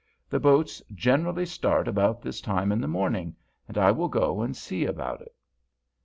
The boats generally start about this time in the morning, and I will go and see about it."